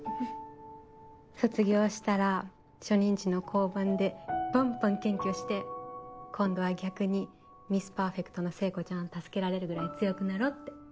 卒業したら初任地の交番でバンバン検挙して今度は逆にミス・パーフェクトの聖子ちゃんを助けられるぐらい強くなろうって。